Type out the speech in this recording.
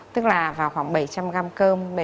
tức là vào khoảng bảy trăm linh gram cơm